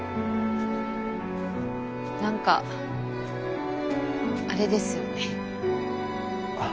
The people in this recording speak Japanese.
何かあれですよね。